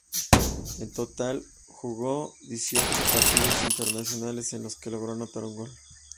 En total, jugó dieciocho partidos internacionales en los que logró anotar un gol.